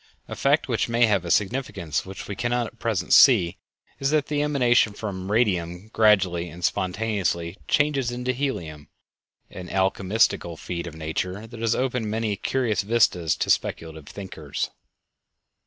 A fact which may have a significance which we cannot at present see is that the emanation from radium gradually and spontaneously changes into helium, an alchemistical feat of nature that has opened many curious vistas to speculative thinkers.